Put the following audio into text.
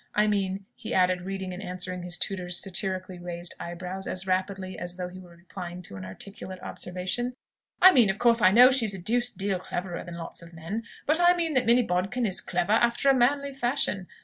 I mean," he added, reading and answering his tutor's satirically raised eyebrows, as rapidly as though he were replying to an articulate observation, "I mean of course I know she's a deuced deal cleverer than lots of men. But I mean that Minnie Bodkin is clever after a manly fashion.